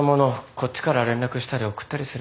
こっちから連絡したり送ったりすればよかった。